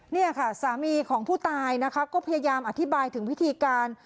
เนี่ยค่ะสามีของผู้ตายนะคะก็พยายามอธิบายถึงวิธีการ